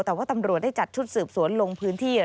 แต่ว่าตำรวจได้จัดชุดสืบสวนลงพื้นที่